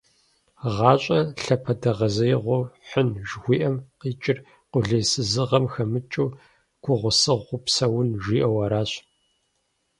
«ГъащӀэр лъапэдэгъэзеигъуэу хьын» жыхуиӏэм къикӏыр къулейсызыгъэм хэмыкӀыу, гугъусыгъуу псэун, жиӏэу аращ.